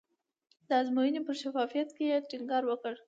د ازموینې پر شفافیت یې ټینګار وکړ.